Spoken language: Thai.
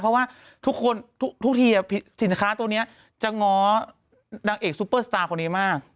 เพราะว่าทุกคนทุกทีสินค้าตัวนี้จะง้อนางเอกซุปเปอร์สตาร์คนนี้มาก